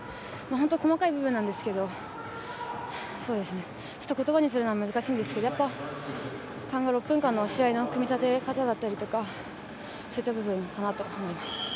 細かい部分なんですけれど、言葉にするのは難しいんですけれど、６分間の試合の組み立て方だったり、そういった部分かなと思います。